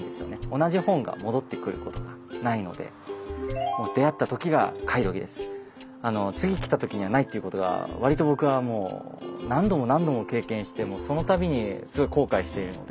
同じ本が戻ってくることがないので次来た時にはないっていうことが割と僕は何度も何度も経験してそのたびにすごい後悔しているので。